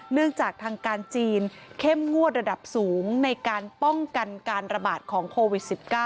เนื่องจากทางการจีนเข้มงวดระดับสูงในการป้องกันการระบาดของโควิด๑๙